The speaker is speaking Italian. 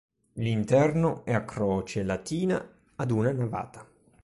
L'interno è a croce latina ad una navata.